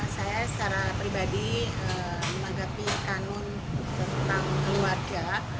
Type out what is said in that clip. saya secara pribadi menanggapi kanun tentang keluarga